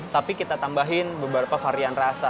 tapi kita tambahin beberapa varian rasa